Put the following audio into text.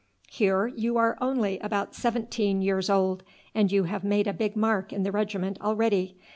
Here you are only about seventeen years old, and you have made a big mark in the regiment already.